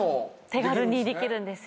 手軽にできるんですよ